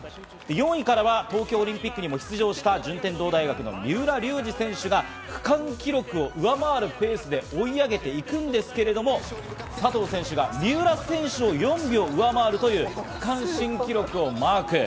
４位からは東京オリンピックにも出場した順天堂大学・三浦龍司選手が区間記録を上回るペースで追い上げていくんですけれども、佐藤選手が三浦選手を４秒上回るという区間新記録をマーク。